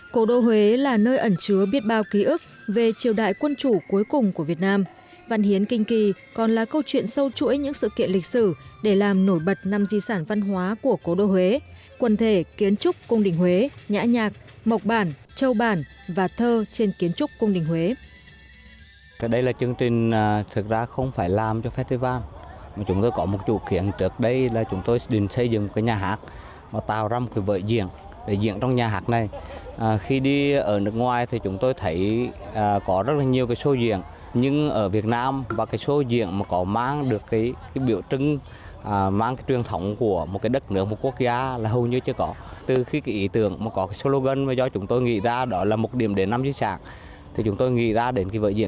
cổ đô huế là nơi ẩn chứa biết bao ký ức về triều đại quân chủ cuối cùng của việt nam văn hiến kinh kỳ còn là câu chuyện sâu chuỗi những sự kiện lịch sử để làm nổi bật năm di sản văn hóa của cổ đô huế quần thể kiến trúc cung đình huế nhã nhạc mộc bản châu bản và thơ trên kiến trúc cung đình huế